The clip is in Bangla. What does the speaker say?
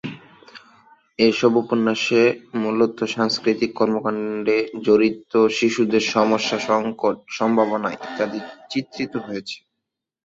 এসব উপন্যাসে মূলত সাংস্কৃতিক কর্মকান্ডে জড়িত শিশুদের সমস্যা, সংকট, সম্ভাবনা ইত্যাদি চিত্রিত হয়েছে।